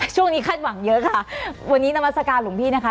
ช่วงนี้ขั้นหวังเยอะค่ะวันนี้นามัสกาลหลุงพี่นะคะ